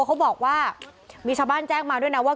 เขาบอกว่ามีชาวบ้านแจ้งมาด้วยนะว่า